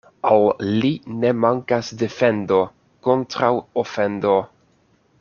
Al li ne mankas defendo kontraŭ ofendo.